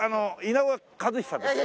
稲尾和久です。